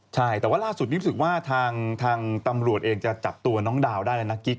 ใช่แต่ว่าล่าสุดนี้รู้สึกว่าทางตำรวจเองจะจับตัวน้องดาวได้แล้วนะกิ๊ก